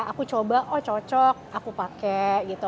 aku coba oh cocok aku pakai gitu